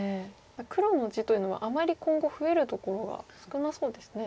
黒の地というのはあまり今後増えるところが少なそうですね。